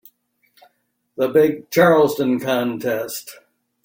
The big Charleston contest.